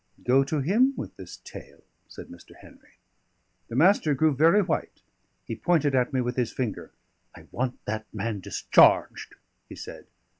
"Go to him with this tale," said Mr. Henry. The Master grew very white. He pointed at me with his finger. "I want that man discharged," he said.